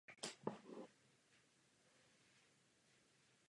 Autorkou všech skladeb je Suzanne Vega.